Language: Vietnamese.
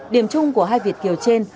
điểm chung của hai việt kiều trên